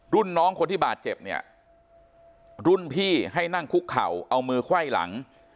รุ่นน้องคนที่บาดเจ็บเนี่ยรุ่นพี่ให้นั่งคุกเข่าเอามือไขว้หลัง